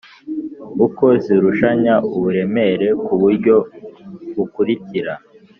uko zirushanya uburemere ku buryo bukurikira: